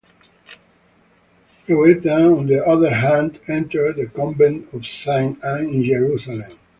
Ioveta, on the other hand, entered the Convent of Saint Anne in Jerusalem.